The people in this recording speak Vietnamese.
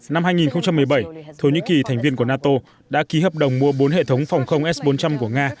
năm hai nghìn một mươi bảy thổ nhĩ kỳ thành viên của nato đã ký hợp đồng mua bốn hệ thống phòng không s bốn trăm linh của nga